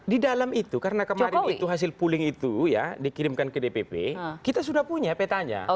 di dalam itu karena kemarin itu hasil pooling itu ya dikirimkan ke dpp kita sudah punya petanya